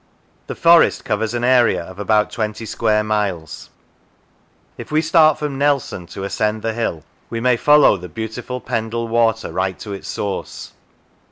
The forest covers an area of about twenty square miles. If we start from Nelson to ascend the hill, we may follow the beautiful Pendle Water right to its source.